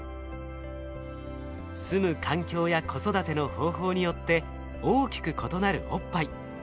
住む環境や子育ての方法によって大きく異なるおっぱい。